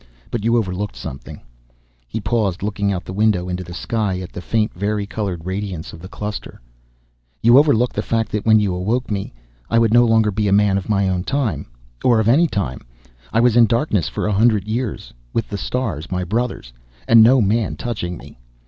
But you overlooked something " He paused, looking out the window into the sky, at the faint vari colored radiance of the cluster. "You overlooked the fact that when you awoke me, I would no longer be a man of my own time or of any time. I was in darkness for a hundred years with the stars my brothers, and no man touching me.